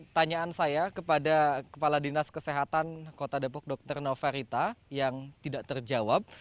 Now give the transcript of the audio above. pertanyaan saya kepada kepala dinas kesehatan kota depok dr nova rita yang tidak terjawab